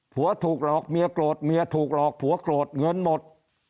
ถูกหลอกเมียโกรธเมียถูกหลอกผัวโกรธเงินหมด